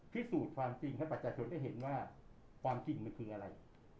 พิสูจน์ความจริงให้ประชาชนได้เห็นว่าความจริงมันคืออะไร